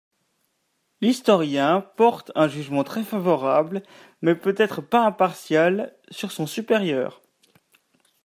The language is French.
L'historien porte un jugement très favorable, mais peut-être pas impartial, sur son supérieur.